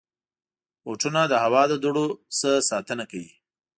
بوټونه د هوا له دوړو نه ساتنه کوي.